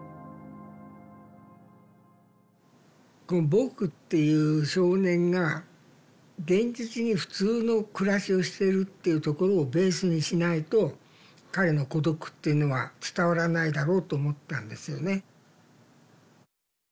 この「ぼく」っていう少年が現実に普通の暮らしをしてるっていうところをベースにしないと彼の孤独っていうのは伝わらないだろうと思ったんですよね。